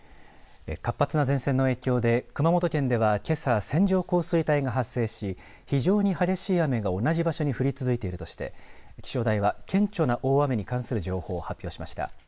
活発な前線の影響で熊本県ではけさ線状降水帯が発生し非常に激しい雨が同じ場所に降り続いているとして気象台は顕著な大雨に関する情報を発表しました。